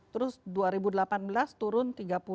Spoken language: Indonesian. terus dua ribu delapan belas turun tiga puluh